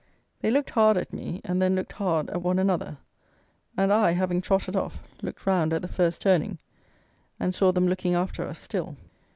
They looked hard at me, and then looked hard at one another; and I, having trotted off, looked round at the first turning, and saw them looking after us still.